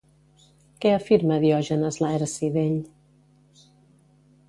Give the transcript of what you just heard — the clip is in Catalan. Què afirma Diògenes Laerci d'ell?